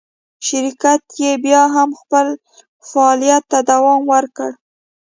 شرکت یې بیا هم خپل فعالیت ته دوام ورکړ.